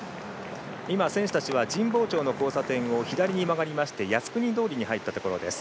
選手たちは神保町の交差点を左に曲がりまして靖国通りに入ったところです。